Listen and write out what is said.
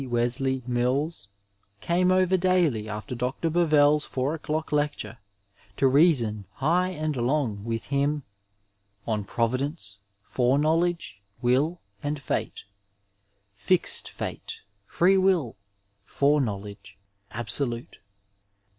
Wesley Mills, came over daily after Dr. Bovell's four o^clock lecture to reason high and long with him On Providenoe, Foreknowledge, Will and Fate; Fixed Fate, Freewill, Foreknowledge abeolnte.